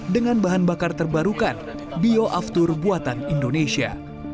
dengan bahan bakar terbarukan bioaftur buatan indonesia